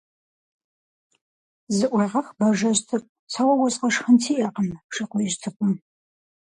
Зыӏуегъэх, Бажэжь цӏыкӏу, сэ уэ уэзгъэшхын сиӏэкъым, - жи Къуиижь Цӏыкӏум.